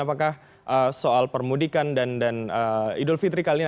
apakah soal permudikan dan idul fitri kali ini